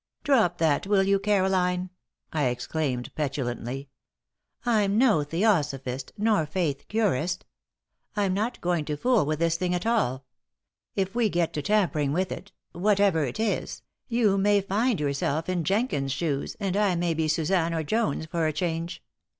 "Drop that, will you, Caroline?" I exclaimed, petulantly. "I'm no theosophist nor faith curist. I'm not going to fool with this thing at all. If we get to tampering with it whatever it is you may find yourself in Jenkins's shoes and I may be Suzanne or Jones for a change.